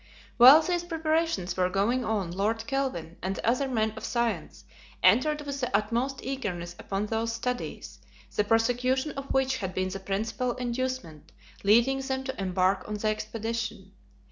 While these preparations were going on Lord Kelvin and the other men of science entered with the utmost eagerness upon those studies, the prosecution of which had been the principal inducement leading them to embark on the expedition.